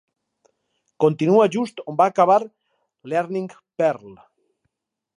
Continua just on va acabar "Learning Perl".